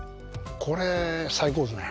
これ最高ですね。